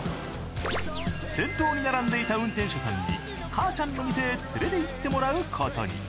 先頭に並んでいた運転手さんにかあちゃんの店へ連れて行ってもらうことに。